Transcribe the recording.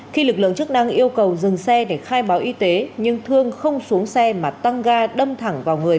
khi lực lượng chức năng yêu cầu dừng xe để khai báo y tế nhưng thương không xuống xe mà tăng ga đâm thẳng vào người